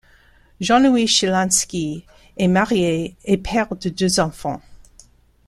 Jean-Louis Schilansky est marié et père de deux enfants.